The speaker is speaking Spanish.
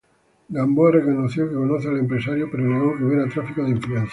Gamboa reconoció que conoce al empresario, pero negó que hubiera tráfico de influencias.